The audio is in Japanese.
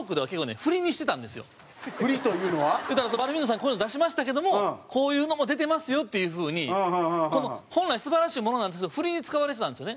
こういうの出しましたけどもこういうのも出てますよっていう風に、本来素晴らしいものなんですけどフリに使われてたんですよね。